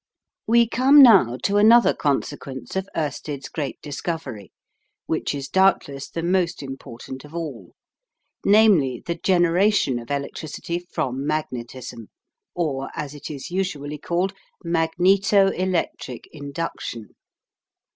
We come now to another consequence of Oersted's great discovery, which is doubtless the most important of all, namely, the generation of electricity from magnetism, or, as it is usually called, magneto electric induction.